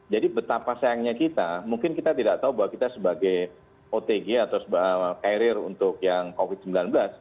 jadi betapa sayangnya kita mungkin kita tidak tahu bahwa kita sebagai otg atau sebagai karir untuk yang covid sembilan belas